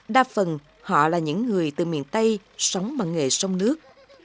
đa phần họ là những người từ miền tây sống bằng nghề sông nước